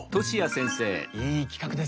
いい企画ですね！